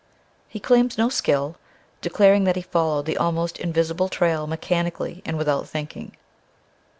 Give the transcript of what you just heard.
He claims no skill, declaring that he followed the almost invisible trail mechanically, and without thinking.